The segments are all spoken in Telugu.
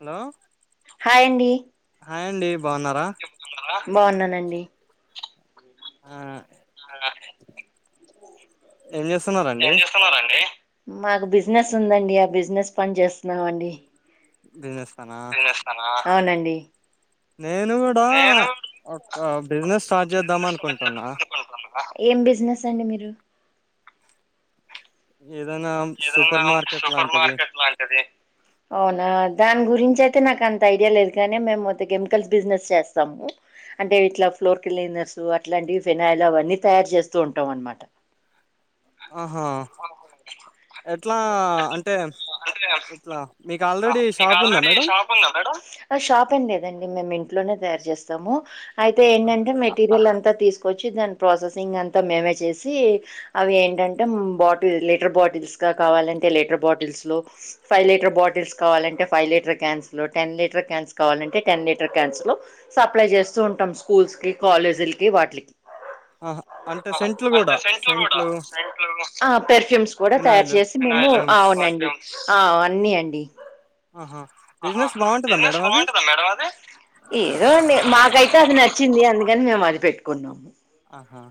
హలో హాయ్ అండి అండి బాగున్నారా బాగున్నానండి ఆ ఏం చేస్తున్నారండి ఏం చేస్తున్నారు అండి మాకు బిజినెస్ ఉందండి ఆ బిజినెస్ పని చేస్తున్నామండి బిజినెస్ పనా తీనేస్తానా అవునండి నేను కూడా ఒక బిజినెస్ స్టార్ట్ చేద్దాం అనుకుంటున్నా ఏం బిజినెస్ అండి మీరు ఏదైనా అదైనా సూపర్ మార్కెట్ సూపర్ లాంటిది మార్కేట్ లాంటిది అవునా దాని గురించి ఐతే నాకు అంత ఐడియా లేదు కానీ మేము కెమికల్స్ బిజినెస్ చేస్తాము అంటే ఇట్లా ఫ్లోర్ క్లీనర్స్ అట్లాంటివి ఫినైల్ అవన్నీ తయారు చేస్తూ ఉంటాం అనమాట అట్లా అంటే ఇట్లా మీకు ఆల్రెడీ షాప్ ఉందా ఆల్రెడీ మేడం షాప్ ఉంద మ షాప్ అండి లేదండి మేము ఇంట్లోనే తారు చేస్తాము అయితే ఏంటంటే మెటీరియల్ అంత అంతా తీసుకొచ్చి దాని ప్రాసెసింగ్ అంతా మేమే చేసి అవి ఏంటంటే బాటిల్ లీటర్ బాటిల్స్ గా కావాలంటే లీటర్ బాటిల్స్ లో ఫైవ్ లీటర్ బాటిల్స్ కావాలంటే ఫైవ్ లీటర్ క్యాన్స్ లో టెన్ లీటర్ క్యాన్స్ కావాలంటే టెన్ లీటర్ క్యాన్స్ లో సప్లై చేస్తూ ఉంటాం స్కూల్స్ కి కాలేజీలకి వాటికి ఆహా అంటే సెంట్లు కూడా సెంట్లు అ పెర్ఫ్యూమ్స్ కూడా తయారు ఫినాయిల్ చేసి మేము పర్ఫ్యూమ్స్ అవునండి ఆ అన్నీ అండి ఆహా బిజినెస్ బాగుంటదా మేడం అది ఏదోండి మాకైతే అది నచ్చింది అందుక కాని మేము అది పెట్టుకున్నాము ఆహా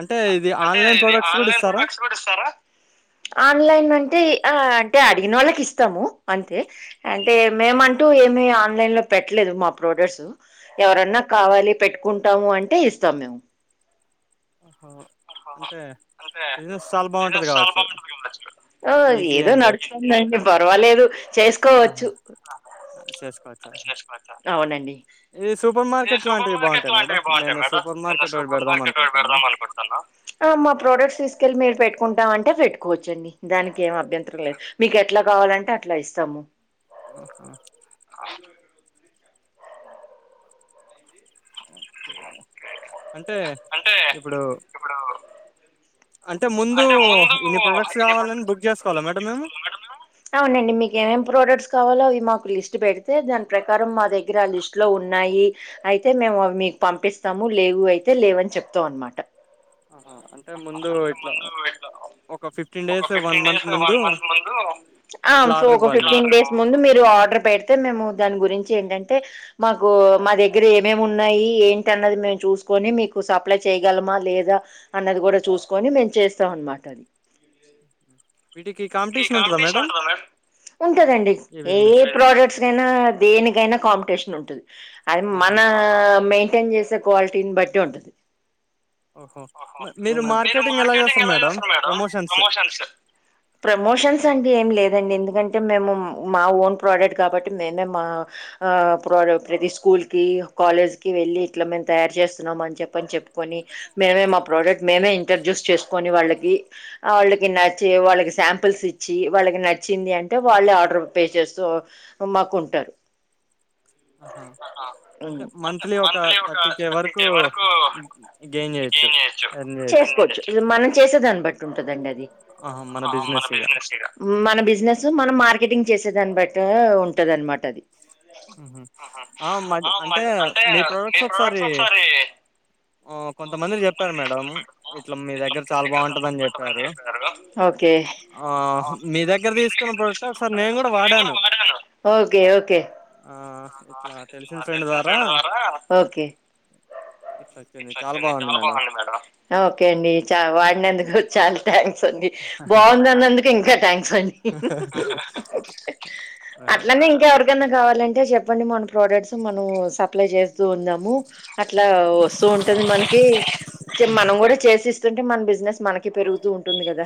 అంటే ఇది ఆన్లైన్ ప్రోడక్ట్స్ కూడా ఇస్తారా ఆన్లైన్ అంటే ఆ అంటే అడిగిన వాళ్ళకి ఇస్తాము అంతే అంటే మేమంటూ ఏమి ఆన్లైన్ లో పెట్టలేదు మా ప్రోడక్ట్స్ ఎవరన్నా కావాలి పెట్టుకుంటాము అంటే ఇస్తాం మేము ఆహా అంటే బిజినెస్ చాలా బాగుంటది కావచ్చు ఈజీ ఏదో అండ్ నడుస్తుంది అండి పర్వాలేదు ఆహా చేసుకోవచ్చు చేసుకోవచ్చా అవునండి ఇది సూపర్ మార్కెట్ లాంటివి బాగుంటాయి మేడం నేను సూపర్ మార్కెట్ ఒకటి పెడదాం అనుకుంటున్నా ఆ మా ప్రోడక్ట్స్ తీసుకెళ్ళి మీరు పెట్టుకుంటాం అంటే పెట్టుకోవచ్చండి దానికి ఏం అభ్యంతరం లేదు మీకు ఎట్లా కావాలంటే అట్లా ఇస్తాము ఆ ఓకే అంటే ఇప్పుడు అంటే ముందు ఇన్ని ప్రోడక్ట్స్ కావాలని బుక్ చేసుకోవాలా మేడం మేము అవునండి మీకు ఏమేం ప్రోడక్ట్స్ కావాలో అవి మాకు లిస్ట్ పెడితే దాని ప్రకారం మా దగ్గర ఆ లిస్ట్ లో ఉన్నాయి అయితే మేము అవి మీకు పంపిస్తాము లేవు అయితే అయితే లేవని చెప్తాము అన్నమాట ఆహా అంటే ముందు ఇట్లా ఒక ఫిఫ్ ఆ ఇట్లా ఆర్డర్ ఒక ఇవ్వాలి మీకు ఫిఫ్టీన్ డేస్ ముందు మీరు ఆర్డర్ పెడితే మేము దాని గురించి ఏంటంటే మాకు మా దగ్గర ఏమేమి ఉన్నాయి ఏంటిన్నది మేము చూసుకొని మీకు సప్లై చేయగలమా లేదా అన్నది కూడా చూసుకొని మేము చేస్తాం అనమాట అది వీటికి కాంపిటీషన్ ఉంటుందా మేడం ఉంటదండి ఈ ఏ బిజినెస్ కి ప్రొడక్ట్స్ కైనా దేనికైనా కాంపిటీషన్ ఉంటుది అది ఆహా మన మే మెయింటైన్ చేసే క్వాలిటీని బట్టి ఉంటుంది ఓహో మ- మీరు మార్కెటింగ్ ఎలా చేస్తారు మేడం ప్రమోషన్స్ ప్రమోషన్స్ అంటూ ఏమీ లేవు అదండి ఎందుకంటే మేము మా ఓన్ ప్రోడక్ట్ కాబట్టి మేమే మా ప్రో ప్రతి స్కూల్కి కాలేజ్కి వెళ్ళి ఇట్లా మేము తయారు చేస్తున్నామ అని చెప్పని చెప్ప కొని మేమే మా ప్రోడక్ట్ ఇంటడ్యూస్ చేసుకో ని వాళ్ళకి వాళ్ళకి నచ్చి వాళ్ళకి సంపుల్స్ ఇ ఇచ్చి వాళ్ళకి నచ్చింది అంటే వాళ్ళే ఆర్డర్ పే చేస్తూ మాకుంటారు గైన్ చేసుకోవచ్చు మనం చేసేదాన్ని బట్టి ఉంటదండి అది ఆ మన బిజినెస్ ఇగ మన బిజినెస్ మానా మార్ మార్కెటింగ్ చేసే దాన్ని బట్టే ఉంట దన్మాట అది ఉహు ఆ మద్య అంటే మీ ప్రోడక్ట్స్ ఒకసారి కొంతమంది చెప్పారు మేడం ఇట్లా మీ దగ్గర చాలా బాగుంటుందని చెప్పారు ఓకే ఆ మీ దగ్గర తీసుకున్న ప్రోడక్ట్ ఒకసారి నేను కూడా వాడాను ఆ నాకు ఇట్ల తెలిసిన ఫ్రెండ్ ద్వారా ఒకే ఇట్లొచ్చింది చాలా బాగుంది మేడం ఓకే అండి చా వాడినందుకు చాలా థాంక్స్ సంది ఆహా. బాగుంది అన్నందుకు ఇంకా థ్యాంక్స్ మేడం అట్లనే ఇంకా ఎవరికన్నా కావాలం టె చెప్ పండి మొన ప్రోడక్ట్స్ మనం సప్లై చేస్తూ ఉందాము అట్లా వస్తూ ఉంటుది మనకి మనం కూడా చేసిస్తు అంటే మన బిజినెస్ మనకి పెరుగుతూ ఉంటుంది కదా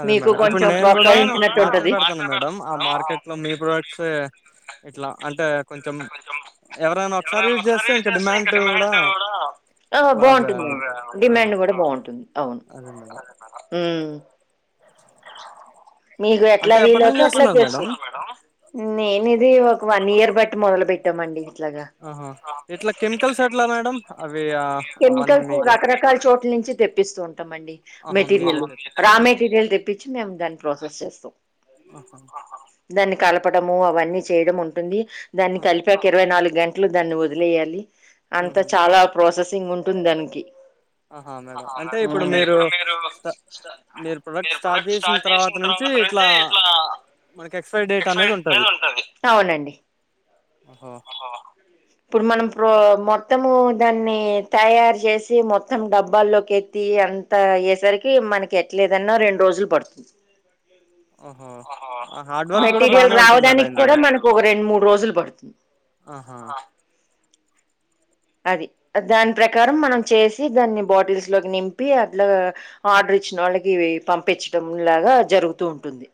అదే మీకు మేడం ఇప్పుడు కొంచెం నేను కూడా ప్రోత్సహించినట్టు మార్కెట్ ఉంటది పెడతున్నా మేడం ఆ మార్కెట్ లో మీ ప్రోడక్ట్స్ ఇట్లా అంటే కొంచెం ఎవరైనా ఒకసారి చేస్తే ఇంకా డిమాండ్ కూడా బాగా బాగుంటుంది ఉంటది అవును డిమాండ్ కూడా బాగుంటుంది అవును అదే మేడం ఉమ్ మీకు ఎట్లా అంటే వీలు ఎప్పటి నుంచి అవుతే అట్లా చేస్తున్నారు చేస్తు మేడం నేను ఇది ఒక వన్ ఇయర్ బట్టి మొదలు పెట్టామండి ఇట్లాగా ఆ ఇట్లా కెమికల్స్ ఎట్లా మేడం అవి ఆహ్, అవన్నీ కెమికల్స్ మీకు రకరకాల చోట్ల నుంచి తెప్పిస్తూ ఉంటాం అండి ఆహా మెటీరియల్ మీరే లు తెప్పించి రా మెటీరియల్ తెప్పించి మేము దాన్ని ప్రాసెస్ చేస్తాం ఆహా దాన్ని కలప్ పడము అవన్నీ చేయడము ఉంటుంది దాన్ని ఆ! కలిపాక ఇరవై నాలుగు గంట్లు దాన్ని వదిలేయాలి అంత హుహు. చాలా ప్రొసెస్ సింగ్ ఉంటుంది దానికి ఆహా మేడం అంటే ఇప్పుడు మీరూ స్ట మీరు ప్రొడక్ట్ స్టార్ట్ చేసిన తర్వాత నుంచి ఇట్లా మనకి డేట్ ఎక్స్పైరీ అనేది టి మీద ఉంటది ఉంటంది అవునండి ఓహో ఒహో ఇప్పుడు మనం ప్రొ మొత్తము దాన్ని తయారు చేసి మొత్తం డబ్బాల్లోకి ఎత్తి అంతా అయ్యేసరికి మనకి ఎట్లేదన్న రెండు రోజులు పడుతుంది ఓహో ఆ హార్డ్ వర్క్ కూడా మెటీరియల్ బానే ఉంటది మేడం రావడానికి ఇందులో కూడా మనకు ఒక రెండు మూడు రోజులు పడుతుంది ఆహా ఆ అది దాని ప్రకారం మనం చేసి దాన్ని బాటిల్స్ లోకి నింపి అట్లా ఆర్డర్ ఇచ్చిన వాళ్ళకి ఇవి పంపించడంలాగా జరుగుతూ ఉంటుంది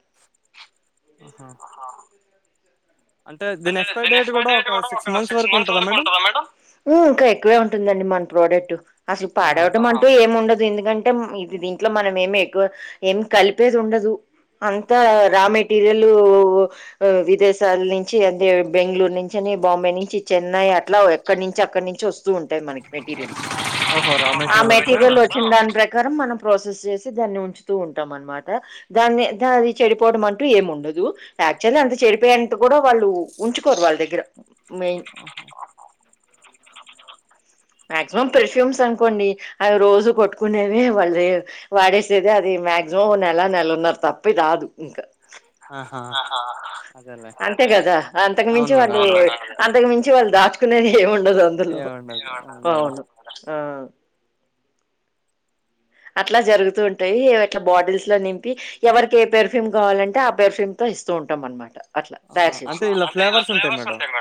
ఆహా అంటే దీని ఎక్సపైర్ డేట్ కూడా ఒక సిక్స్ మంత్స్ వరకు ఉంటాదా మేడం ఉ ఇంకా ఎక్కువే ఉంటుందండి మన్ ప్రోడక్ట్ అసలు పాడవటం ఆహా అంటూ ఏం ఉండదు ఎందుకంటే ఇది దీ ఇట్ల మనం ఏమి ఎక్కువ ఏం కలిపేది ఉండదు. అంత రా మేటీరియల్ విదేశాల్ని చి అదే బెంగళూరు నుంచెలి బాంబే నుంచి, చెన్నై అట్లా ఎక్కడి నుంచ్ అక్కడ నుంచ్ వస్ స్తూ మనకి మెటీరియల్ ఓహో రా ఆ మెటీరియల్ అంతా మేటీరియల్ వచ్చిందాని ప్రకార్ మనం ప్రాసెస్ చేసి దాన్ని ఉంచుతూ ఉంటాం అన్నమాట. దాన్ని దాది చెడిపోవడం అంటూ ఏం ఉండదు. యాక్చుల్లి అంత చెడిపోయంత గూడా వాళ్ళుూ ఉంచుకోరు వాళ్ దగ్గర మేయిన్ మాక్సిమం పెర్ఫ్యూమ్స్ అనుకోండి. అవి రోజు కొట్టుకునేవే వాళ్ళే వాడేసేదే అది మాక్సిమం ఓ నెల నెలన్నారు తప్పే రాదు. ఇంకా ఆహా అదేలే అంతే కదా. అంతకు అవును మించి మేడం వాల్లి అదే అంతకు మించి వాళ్ళు దాచుక్ కునే ఏంవుండ్ ఏం ఉండద్లె అవున్ ఆవును ఆ అట్లా జరుగుతూ ఉంటాయి. అట్లా బాటిల్స్ లో నింపి ఎవరికి, ఏ పెర్ఫ్యూమ్ కావాలంటే. ఆ పెర్ఫ్యూమ్ తో ఇస్తూ ఉంటాం అన్నమాట. అట్లా తయారు ఆహా అంటే ఇలా ఫ్లేవర్స్ ఉంటాయి మేడం చేస్శుంచు.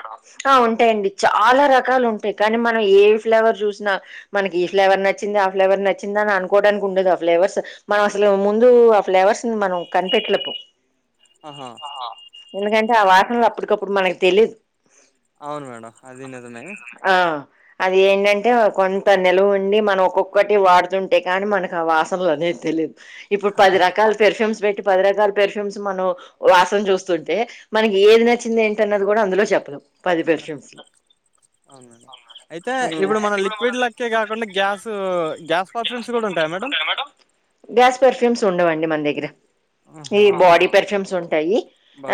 ఆ ఉంటాయండి చ చాలా రకాలు ఉంటయి. కానీ మనం ఏ ఫ్లేవర్ చూసినా మనకి ఈ ఫ్లేవర్ నచ్చింద, ఆ ఫ్లేవర్ నచ్చిందని అనుక్ నుకోవడానికి ఉండదు ఆ ఫ్లేవర్స్. మనం అసలు ముందు ఆ ఫ్లేవర్స్ ని మనం కనిపెట్లేపం. ఆహా ఎందుకంటే ఆ వార్ ఇంగ అప్పుటికప్పుడు మనకు తెలీదు. అవును మేడం. అది నిజమే ఆ అది ఏంటంటే కొంత నిలువ్ ఉండి. మనం ఒక్కొక్కటి వాడుతుంట్ అంతేకాని మన ఆ వాసన్ల్ అనేద్ తెలిద్ ఇప్పుడు పది ఆహా రకాల పెర్ఫ్యూమ్స్ ప్ పది రకాల పెర్ఫ్యూమ్స్ మనం వాసం చూస్తుంటే. మనకి ఏది నచ్చింది ఏంటన్నది. కూడా అందులో చెప్పలేం పది ఆ పెర్ఫ్యూమ్స్ అవునండి. అయితే ఇప్పుడు మనం లిక్విడ్లేక్కే కాకుండా. గ్యాసు, గ్యాస్ పర్ఫ్యూమ్స్ కూడా ఉంటాయా మేడం గ్యాస్ ఫర్ఫ్యమ్స్ ఉం డవండి మన్దేగ్ర ఈ ఆహా బాడీ పెర్ఫ్యూమ్స్ ఉంటాయి.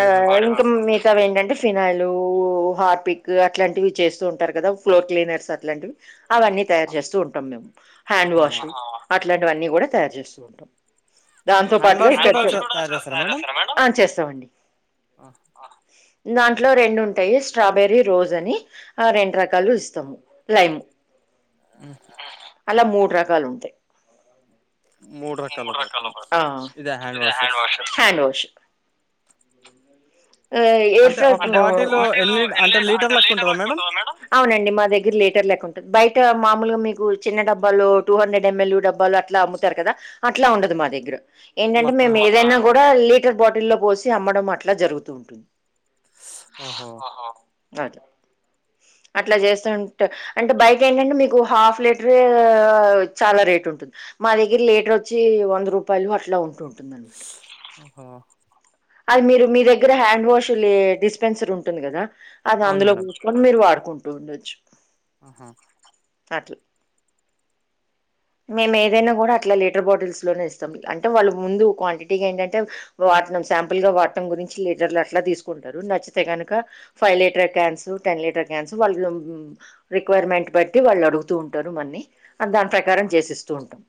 ఆ పర్ఫ్యూమ్స్ ఇంకా మిగతావి ఏంటంటే ఫినాయిలు, హార్పిక్ అట్లాంటివి చేస్తూ ఉంటారు గదా. ఫ్లోర్ క్లీనర్స్ అట్లాంటివి అవన్నీ తయారు చేస్తూ ఉంటాం మేం. హ్యాండ్ ఆహా వాష్ అట్లాంట్ వన్నీ కూడా తయారు చేస్తూ ఉంటాం. దాంతో హ్యాండ్ పాటుగా ఈ వాష్ కూడా పెర్ఫ్యూమ్ తయారు చేస్తారా మేడం ఆ చేస్తామండి. దాంట్లో రెండు ఉంటాయి. స్ట్రాబెర్రీ, రోజ్ అని ఆ రెండు రకాలు ఇస్తాము. లైమ్ ఆహ్ అలా మూడ్ రక్ కాలు ఉంటాయ్ మూడు రకాల పర్ఫ్యూమ్స్ ఆ ఇదే హ్యాండ్ వాషెస్ హ్యాండ్ వాష్ అంటే ట ఒక బాటిల్ ఎన్ని అంటే లీటర్ లెక్క ఉంటదా మేడం అవునండి మా దగ్గర లీటర్ కు బయట మామూలుగా మీకు చిన్న డబ్బాలో టూ హండ్రెడ్ యమ్ ఎల్ డబ్బాలు అట్లా అమ్ముతారు కదా అట్లా ఉండదు మా దగ్గర. ఏంటంటే మొత్తం మేము ఏదైనా కూడా లీ అట్లే బాటిల్లో పోసి అమ్మడం అట్లా జరుగుతూ ఉంటుంది. ఇస్ ఓహో అట్లా చేస్తుంటే అంటే బైక్ ఏంటంటే మీకు హాఫ్ లీటర్ ఏ చాలా రేట్ ఉంటుంది మా దగ్గర లీటర్ వచ్చి వంద రూపాయలు అట్లా ఉంటుంది. టుందనమాట. ఓహో అది మీరు మీ దగ్గర హ్యాండ్ వాషు లే డిస్పెన్సరీ ఉంటుంది కదా అది అవును అందులో మేడం కూర్చుకొని మీరు వాడుకుంటు రోండచ్చు ఆహా అట్లా, మేము ఏదైనా కూడా అట్లా లీటర్ బాటిల్స్ లోనే ఇస్తాం అంటే వాళ్ళ ముందు క్వాంటిటీగా ఏంటంటే వాటిలో శాంప్ ఫుల్ గా వాడటం గురించి లీటర్లు అట్లా తీసుకుంటారు నచ్చితే కనుక five litre cans, ten litre cans వాట్లో రిక్వైర్మెంట్ బట్టి వాళ్ళు అడుగుతూ ఉంటారు మనన్ని దాని ప్రకారం చేసేసు చూంటం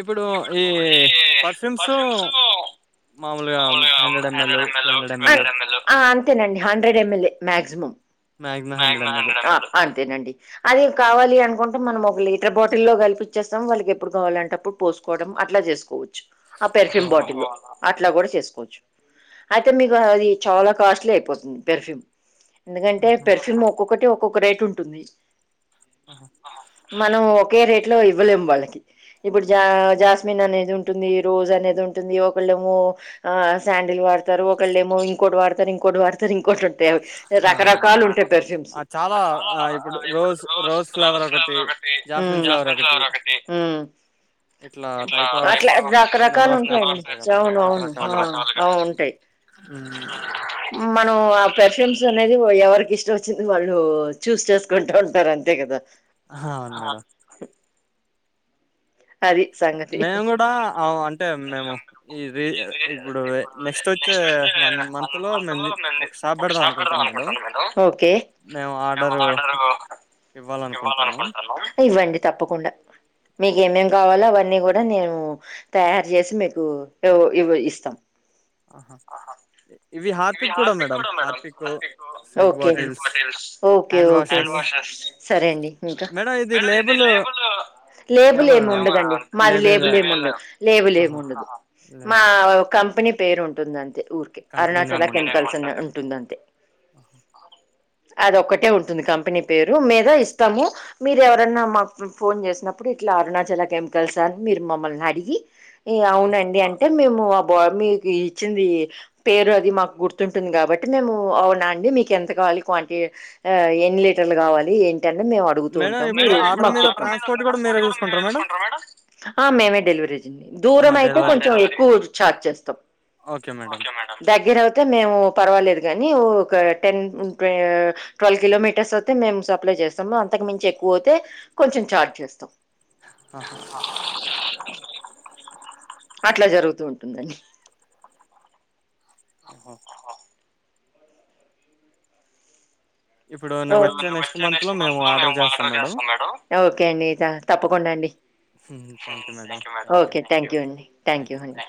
ఇప్పుడు ఈ పర్ఫ్యూమ్స్ మాముూలుగా hundred ML, two hundred ML అంతేనండి హండ్రెడ్ యమ్ లే మాక్సిమం మ్యాక్సిమం హండ్రెడ్ ఎంఎల్ అంతేనండి అదే కావాలి అనుకుంట అంటే మనం ఒక లీటర్ బాటిల్లో కలిపిచేస్తాం వాళ్ళకి ఎప్పుడు కావాలంటే అప్పుడు పోసుకోవడం అట్లా చేసుకోవచ్చు. ఆ ఓహో పెర్ఫ్యూమ్ అలా బాటిల్లు ఇలా కూడా చేసుకోవచ్చు అయితే మీకు అది చాల కాస్ట్లీ అయిపోతుంది పెర్ఫ్యూమ్ ఎందుకంటే ఆహా పెర్ఫ్యూమ్ ఒక్కొక్కటి ఒక్కొ ఒక రేటు ఉంటుంది. ఆహా. మనం ఒ ఒకే రేట్ లో ఇవ్వలేము వాళ్ళకి ఇప్పుడు జా జాస్మిన్ అనేది ఉంటుంది రోజ్ అనేది ఉంటుంది. ఒకళ్ళేమో ఆ శాండిల్ వాడతారు ఒకళ్ళు ఏమో ఇంకోటి వాడతారు ఇంకోటి వాడతారు ఇం కోసుంటే అవి అవును మేడం రకరకాలు ఉంటాయి పెర్ఫ్యూమ్స్ ఆ చాలా ఆ ఇప్పుడు రోజ్ రోజ్ ఫ్లేవర్ ఒకటి జాస్మిన్ ఉమ్మ్ ఫ్లేవర్ ఒకటి ఉమ్మ్ ఇట్లా టైప్ ఆఫ్ అట్లా రకరకాలు నెంబర్ ఆఫ్ ఉంటాయి. టైప్స్ కదా చవును అవును రకరకాలుగా అ ఆ వుంటాయ్ ఉమ్. మనం ఆ పెర్ఫ్యూమ్స్ అనేది ఎవరికి ఇష్టం వచ్చింది వాళ్ళు చూస్ చేసుకుంటా ఉంటారు అంతే కదా ఆ అవును మేడం అది సంగతి, మేము కూడా ఆ, అంటే మేము ఈ రీ ఇప్పుడు నెక్స్ట్ వచ్చే వన్ మంత్ లో మేము ఒక షాప్ పెడదాం అనుకుంటాను మేడం ఒకే మేము ఆర్డరు ఇవ్వాలనుకుంటున్నాం ఇవ్వండి తప్పకుండా మీ కావాల అవన్నీ కూడా నేను తయారు చేసి మీకు ఇవ్ ఇవ్వు ఇస్తాం ఆహా ఇ ఇవి హార్పిక్ కూడా మేడం హార్పిక్ సెట్ ఓకేే అండి, bottles okay hand okay washes అండి సరే అండి ఇంకా మేడం ఇది లేబుల్ ఏమన్నా అంటే లేబుల్లేముండదండి, మాది లేబుల్ లేబుల్లేం వుండదు ఆహా, లేబులేముండదు మా లేబుల్ ఒ కంపెనీ. పేరు ఉంటుందం ఊర్కి అరుణా కంపెనీ చాలా నేమ్ ఉంటది కెంపల్స్ అని ఉంటుంది అంతే ఆహా. అది ఒక్కటే ఉంటుంది కంపెనీ పేరు మీద ఇస్తాము. మీరు ఎవరన్నా మాక్ ఫోన్ చేసినప్పుడు ఇట్లా అరుణాచల కెమికల్స్ అని మీరు మమ్మల్ని అడిగి. ఎ అవునండి అంటే మేం మొఆ బార్ మీకి ఇచ్చింది పేరు అది మా గుర్తుంటుంది కాబట్టి మేము అవునా అండి మీకు ఎంత కావాలి క్వాంటి ఆ ఎన్ని లీటర్లు కావాలి. అండి మేం అడుగుతూ మేడం ఉంటాం ఇప్పుడు మీరు ఆర్డర్ మాకు మీద చెప్పండి, ట్రాన్స్పోర్ట్ కూడా మీరే చూసుకుంటారా మేడం ఆ మేమే డెలివరీచింది ఆహా దూరమైతే డెలివరీ కొంచెం ఎక్కువ చార్జ్ చేస్తాం ఓకే మేడం దగ్గరవ్. మేము పర్వాలేదు గాని ఒక టెన్ ట్వె ట్వెల్వ్ కిలోమీటర్స్ వోతే మేం సప్లై చేస్తాం. అంతకు మించి ఎక్కువైతే కొంచెం ఛార్జ్ చేస్తాం. ఆహా అట్లా జరుగుతూ ఉంటుందండి ఒహో ఇప్పుడు ఒ నే- వచ్చే నెక్స్ట్ మంత్ లో మేము ఆర్డర్ చేస్తాం మేడం ఓకే అండి థా తప్పకుండా అండి thank you madam thank you okay thank you అండి థ్యాంక్ థ్యాంక్యూ యూ అండి.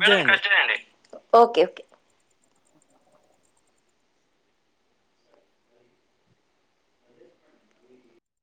మేడం కట్ చేయండి ఓకే ఒకే